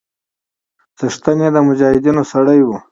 څښتن يې د مجاهيدنو سړى و.